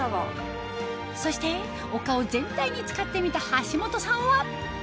そしてお顔全体に使ってみた橋本さんは？